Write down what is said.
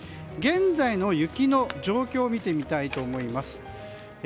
現在の雪の状況を見てみたいと思います。